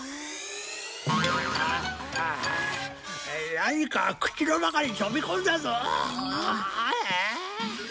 何か口の中に飛び込んだぞうえ。